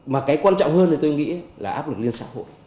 mà cái quan trọng hơn thì tôi nghĩ là áp lực lên xã hội